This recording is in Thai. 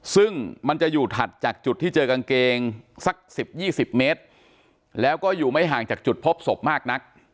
ซึ่งมันจะอยู่ถัดจากจุดที่เจอกางเกงสัก๑๐๒๐เมตรแล้วก็อยู่ไม่ห่างจากจุดพบศพมากนัก